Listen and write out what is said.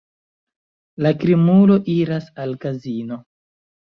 La krimulo iras al kazino.